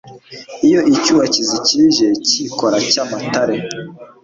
Iyo icyubikizi kije Cyikora cya Cyamatare